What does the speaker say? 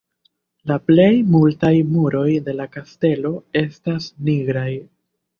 La plej multaj muroj de la kastelo estas nigraj.